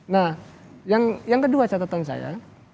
nah yang kedua catatan saya